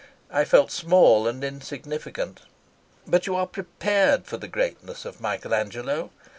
I felt small and insignificant. But you are prepared for the greatness of Michael Angelo.